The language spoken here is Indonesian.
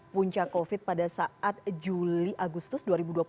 puncak covid pada saat juli agustus dua ribu dua puluh satu